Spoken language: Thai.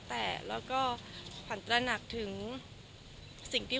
แต่แล้วก็ขวัญตระหนักถึงสิ่งที่